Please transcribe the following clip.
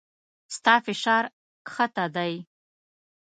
ستا فشار کښته دی